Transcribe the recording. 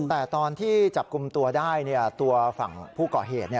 แต่ตอนที่จับกลุ่มตัวได้ตัวฝั่งผู้ก่อเหตุ